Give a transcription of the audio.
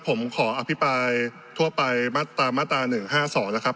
ผมขออภิปายทั่วไปมาตรามาตราหนึ่งห้าสองนะครับ